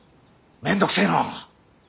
面倒くせえな。